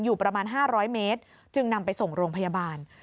อยู่ประมาณ๕๐๐เมตรจึงนำไปส่งโรงพยาบาล